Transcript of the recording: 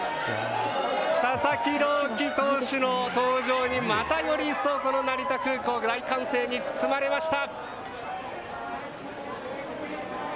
佐々木朗希投手の登場にまた一層この成田空港大歓声に包まれました。